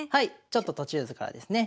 ちょっと途中図からですね。